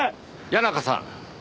谷中さん